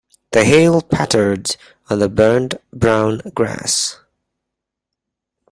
The hail pattered on the burnt brown grass.